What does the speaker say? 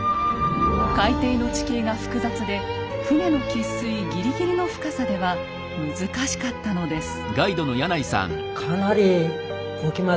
海底の地形が複雑で船の喫水ぎりぎりの深さでは難しかったのです。